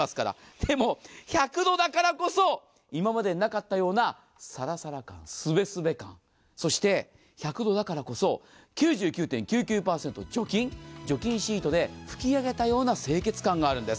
でも１００度だからこそ今までになかったようなサラサラ感、すべすべ感、そして、１００度からだからこそ９９．９％除菌、除菌シートで拭き上げたような清潔感があるんです。